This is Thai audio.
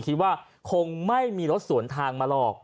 คิดว่าคงไม่มีรถสวนทางมาหรอก